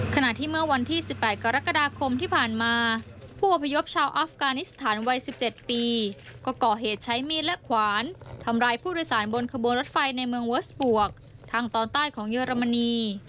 ขณะที่เมื่อวันที่๑๘กรกฎาคมที่ผ่านมาผู้อพยพชาวอัฟกานิสถานวัย๑๗ปีก็ก่อเหตุใช้มีดและขวานทำร้ายผู้โดยสารบนขบวนรถไฟในเมืองเวิร์สบวกทางตอนใต้ของเยอรมนี